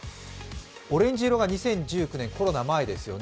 オレンジ色が２０１９年、コロナの前ですね。